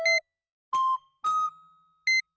ピッ。